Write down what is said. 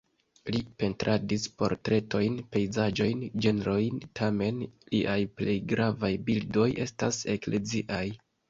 Li pentradis portretojn, pejzaĝojn, ĝenrojn, tamen liaj plej gravaj bildoj estas ekleziaj.